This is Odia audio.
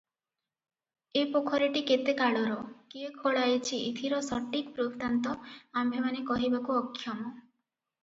ଏ ପୋଖରୀଟି କେତେକାଳର, କିଏ ଖୋଳାଇଛି ଏଥିର ସଟୀକ ବୃତ୍ତାନ୍ତ ଆମ୍ଭେମାନେ କହିବାକୁ ଅକ୍ଷମ ।